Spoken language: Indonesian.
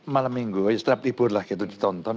malam minggu setiap libur lah gitu ditonton